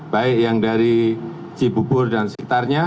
baik yang dari cibubur dan sekitarnya